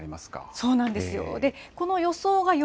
そうなんですよ。